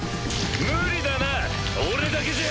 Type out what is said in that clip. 無理だな俺だけじゃ。